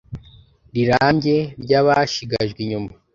rirambye ry abashigajwe inyuma